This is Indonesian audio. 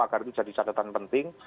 agar itu jadi catatan penting